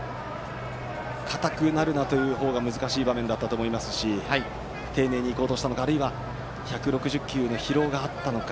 硬くなるなという方が難しい場面だったと思いますし丁寧に行こうとしたのかあるいは１６０球の疲労があったのか。